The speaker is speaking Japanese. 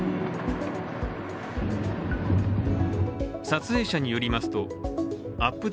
撮影者によりますとアップ